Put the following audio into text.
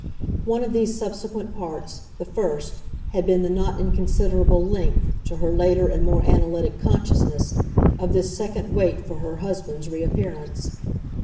One of these subsequent parts, the first, had been the not inconsiderable length, to her later and more analytic consciousness, of this second wait for her husband's reappearance.